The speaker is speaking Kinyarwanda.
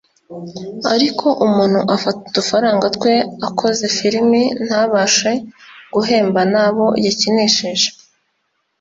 ariko umuntu afata udufaranga twe akoze firimi ntabashe guhemba nabo yakinishije”